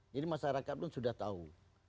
jadi masyarakat itu sudah tahu